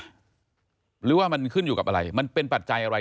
หรือว่ามันขึ้นอยู่กับอะไร